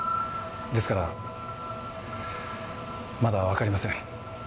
ですからまだわかりません。